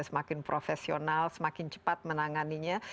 semakin profesional semakin cepat menanganinya